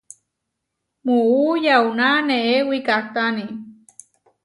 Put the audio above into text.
Muú yauná neé wikahtáni.